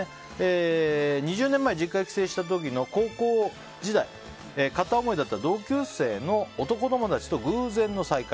２０年前、実家に帰省した時の高校時代、片思いだった同級生の男友達と偶然の再会。